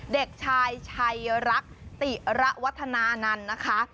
เด็กชายชัยรักติระวัฒนานันต์นะคะ